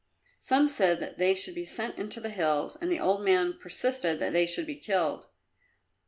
Some said that they should be sent into the hills, and the old man persisted that they should be killed.